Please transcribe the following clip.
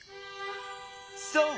そう！